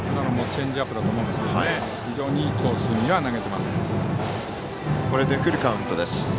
チェンジアップだと思いますが非常にいいコースに投げています。